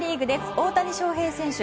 大谷翔平選手